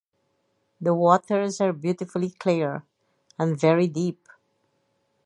The waters are beautifully clear, and very deep.